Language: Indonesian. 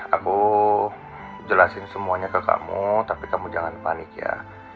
aku jelasin semuanya ke kamu tapi kamu jangan panik ya